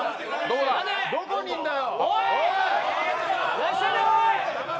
どこにいるんだよ。